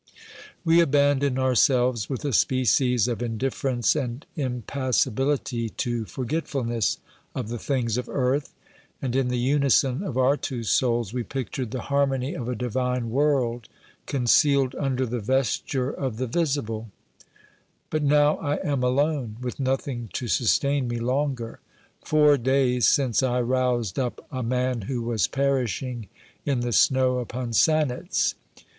We abandoned ourselves with a species of indiffer ence and impassibility to forgetfulness of the things of earth, and, in the unison of our two souls, we pictured the harmony of a divine world concealed under the vesture of the visible. OBERMANN 249 But now I am alone, with nothing to sustain me longer. Four days since I roused up a man who was perishing in the snow upon Sanetz.